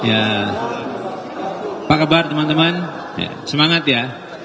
ya apa kabar teman teman semangat ya